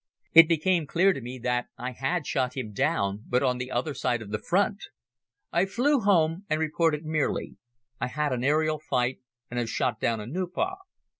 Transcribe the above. It became clear to me that I had shot him down, but on the other side of the Front. I flew home and reported merely: "I had an aerial fight and have shot down a Nieuport."